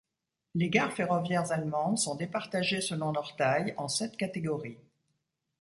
Les gares ferroviaires allemandes sont départagées selon leur taille en sept catégories.